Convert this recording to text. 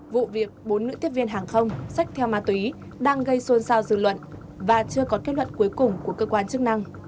vụ việc bốn nữ tiếp viên hàng không sách theo ma túy đang gây xôn xao dư luận và chưa có kết luận cuối cùng của cơ quan chức năng